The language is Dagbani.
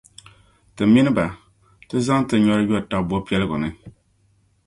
ti mini ba ti zaŋ ti nyɔri yo taba bɔpiɛligu ni.